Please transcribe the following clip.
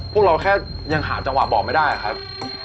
พวกเราแค่ยังหาจังหวะบอกไม่ได้ครับ